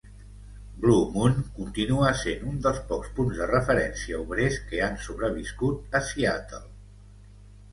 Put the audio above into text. Blue Moon continua sent un dels pocs punts de referència obrers que han sobreviscut a Seattle.